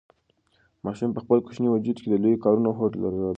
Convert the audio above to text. ماشوم په خپل کوچني وجود کې د لویو کارونو هوډ درلود.